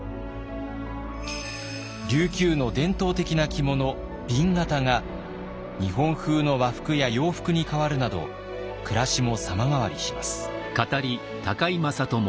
琉球の伝統的な着物紅型が日本風の和服や洋服に変わるなど暮らしも様変わりします。